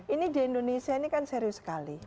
ini di indonesia ini kan serius sekali